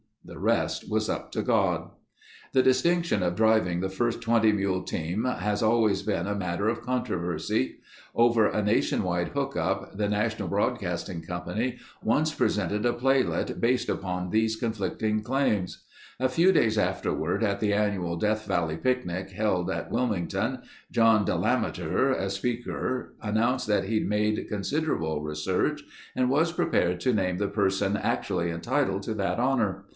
The rest was up to God. The distinction of driving the first 20 mule team has always been a matter of controversy. Over a nation wide hook up, the National Broadcasting Co. once presented a playlet based upon these conflicting claims. A few days afterward, at the annual Death Valley picnic held at Wilmington, John Delameter, a speaker, announced that he'd made considerable research and was prepared to name the person actually entitled to that honor.